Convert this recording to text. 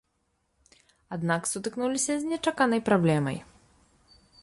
Аднак сутыкнуліся з нечаканай праблемай.